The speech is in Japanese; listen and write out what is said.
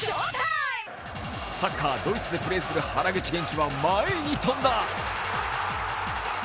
サッカー、ドイツでプレーする原口元気は前に飛んだ。